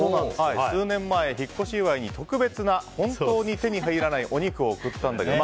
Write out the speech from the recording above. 数年前、引っ越し祝いに特別な本当に手に入らないお肉を贈ったんだけど。